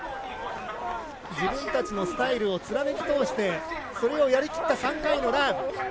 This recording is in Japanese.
自分たちのスタイルを貫き通してそれをやり切った３回のラン。